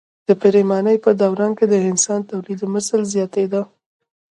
د پریمانۍ په دوران کې د انسان تولیدمثل زیاتېده.